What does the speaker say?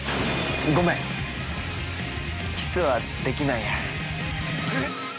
ごめん、キスはできないや。